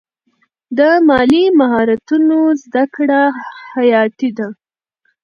د مالي مهارتونو زده کړه حیاتي ده.